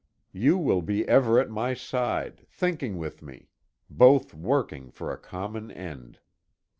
You will be ever at my side, thinking with me; both working for a common end.